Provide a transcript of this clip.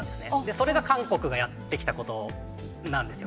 それが韓国がやってきたことなんですよ。